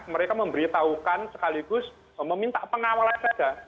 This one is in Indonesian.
mereka memberitahukan sekaligus meminta pengawalan saja